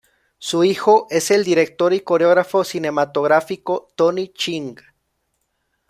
Su hijo es el director y coreógrafo cinematográfico Tony Ching.